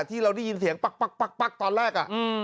ที่เราได้ยินเสียงปั๊กตอนแรก